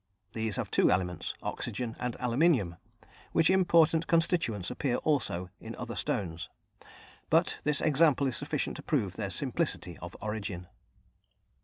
These have two elements, oxygen and aluminium, which important constituents appear also in other stones, but this example is sufficient to prove their simplicity of origin.